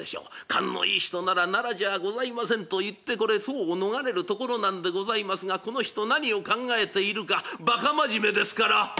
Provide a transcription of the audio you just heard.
勘のいい人なら「奈良じゃございません」と言ってこれ騒を逃れるところなんでございますがこの人何を考えているかバカ真面目ですから。